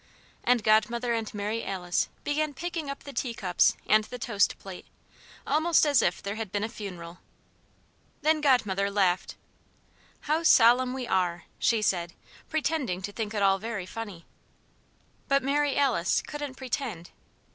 And Godmother and Mary Alice began picking up the teacups and the toast plate, almost as if there had been a funeral. Then Godmother laughed. "How solemn we are!" she said, pretending to think it all very funny. But Mary Alice couldn't pretend.